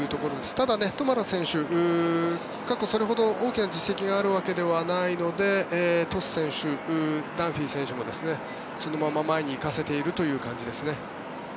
ただ、トマラ選手は過去それほど大きな実績があるわけではないのでトス選手、ダンフィー選手もそのまま前に行かせているという感じですね。